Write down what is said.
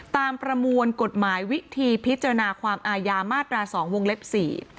ประมวลกฎหมายวิธีพิจารณาความอายามาตราสองวงเล็บสี่